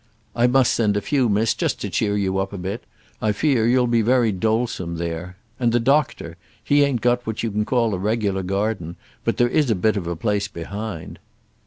"I must send a few, miss, just to cheer you up a bit. I fear you'll be very dolesome there. And the doctor, he ain't got what you can call a regular garden, but there is a bit of a place behind."